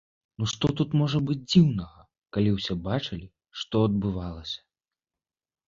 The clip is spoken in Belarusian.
Ну што тут можа быць дзіўнага, калі ўсе бачылі, што адбывалася.